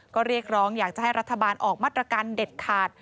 ก็เรียกร้องอยากจะให้รัฐบาลออกมาตรการเด็ดขาด